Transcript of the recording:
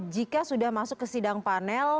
jika sudah masuk ke sidang panel